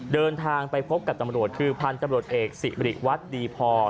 เดินทางไปพบกับตำรวจคือพันธุ์ตำรวจเอกสิริวัตรดีพอ